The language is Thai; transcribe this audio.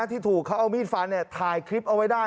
ที่ถูกเขาเอามีดฟันถ่ายคลิปเอาไว้ได้